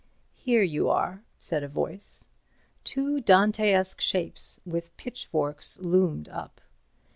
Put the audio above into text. "Here you are," said a voice. Two Dantesque shapes with pitchforks loomed up.